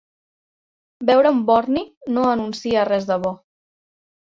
Veure un borni no anuncia res de bo.